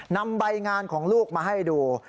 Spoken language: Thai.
นำใบงานของลูกมาให้ดู